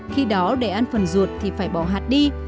khi đó để ăn phần ruột thì phải bỏ hạt đi